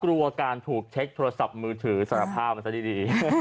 กลัวการถูกเช็คโทรศัพท์มือถือสารภาพมันซะดี